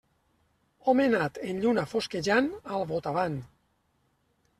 Home nat en lluna fosquejant, al botavant.